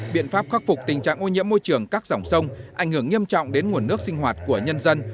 biện pháp khắc phục tình trạng ô nhiễm môi trường các dòng sông ảnh hưởng nghiêm trọng đến nguồn nước sinh hoạt của nhân dân